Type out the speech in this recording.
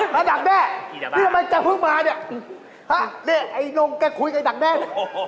มาดักแด้นี่ทำไมจะเพิ่งมาเนี่ยฮะนี่ไอ้นงแกคุยกับดักแด้เนี่ย